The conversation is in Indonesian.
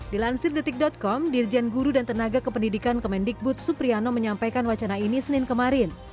dilansir detik com dirjen guru dan tenaga kependidikan kemendikbud supriano menyampaikan wacana ini senin kemarin